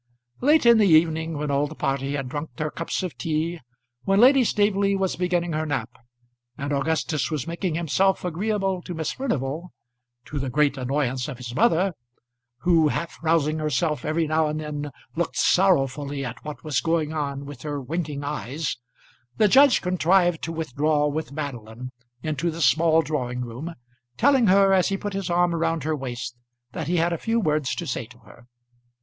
Late in the evening, when all the party had drunk their cups of tea, when Lady Staveley was beginning her nap, and Augustus was making himself agreeable to Miss Furnival to the great annoyance of his mother, who half rousing herself every now and then, looked sorrowfully at what was going on with her winking eyes, the judge contrived to withdraw with Madeline into the small drawing room, telling her as he put his arm around her waist, that he had a few words to say to her.